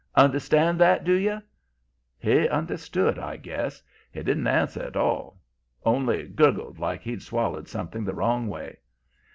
Understand that, do you?' "He understood, I guess. He didn't answer at all. Only gurgled, like he'd swallered something the wrong way.